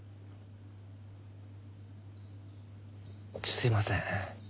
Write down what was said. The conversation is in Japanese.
すいません。